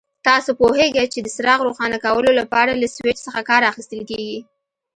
تاسو پوهیږئ چې د څراغ روښانه کولو لپاره له سوېچ څخه کار اخیستل کېږي.